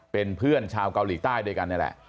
เป็นเพื่อนชาวเกาหลีใต้ด้วยกัน